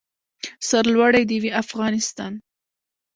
سر لوړی د وي افغانستان.